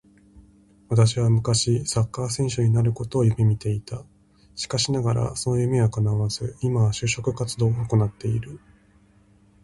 私は昔サッカー選手になることを夢見ていた。しかしながらその夢は叶わず、今は就職活動を行っている